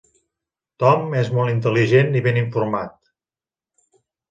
Tom és molt intel·ligent i ben informat.